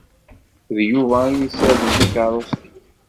D Yuba i yessarden takeṛṛust-ik.